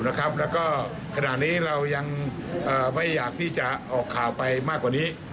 แล้วก็ขณะนี้เรายังไม่อยากที่จะออกข่าวไปมากกว่านี้